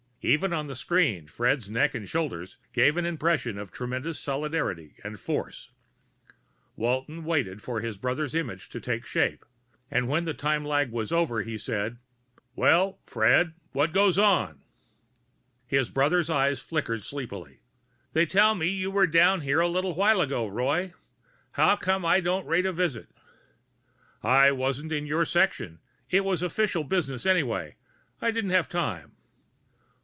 Even on the screen, Fred's neck and shoulders gave an impression of tremendous solidity and force. Walton waited for his brother's image to take shape, and when the time lag was over he said, "Well, Fred? What goes?" His brother's eyes flickered sleepily. "They tell me you were down here a little while ago, Roy. How come I didn't rate a visit?" "I wasn't in your section. It was official business, anyway. I didn't have time."